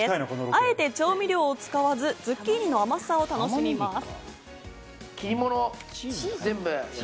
あえて調味料を使わず、ズッキーニの甘さを楽しみます。